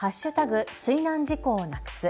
水難事故をなくす。